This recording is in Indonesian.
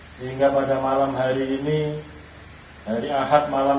semoga belajar hidupnya bersama lain